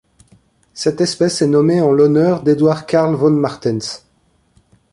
Cette espèce est nommée en l'honneur d'Eduard Carl von Martens.